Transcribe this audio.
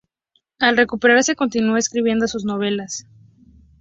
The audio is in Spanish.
Al recuperarse continúa escribiendo sus novelas.